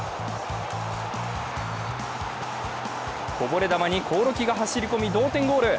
こぼれ球に興梠が走り込み、同点ゴール。